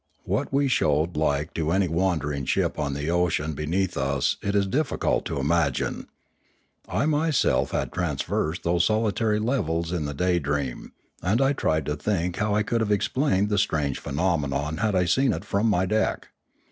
What we showed like to any wandering ship on the ocean be neath us it is difficult to imagine. I myself had tra versed those solitary levels in the Daydream^ and I tried to think how I could have explained the strange phen omenon had I seen it from my deck.